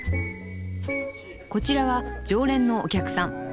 こちらは常連のお客さん。